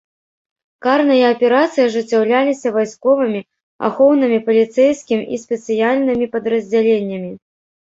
Карныя аперацыі ажыццяўляліся вайсковымі, ахоўнымі, паліцэйскім і спецыяльнымі падраздзяленнямі.